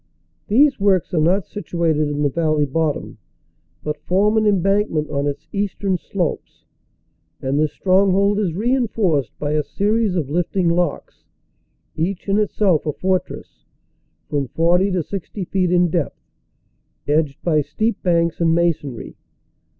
These works are not situated in the valley bottom, but form an embankment on its eastern slopes, and this stronghold is reinforced by a series of lifting locks, each in itself a fortress, from 40 to 60 feet in depth, edged by steep banks and masonry.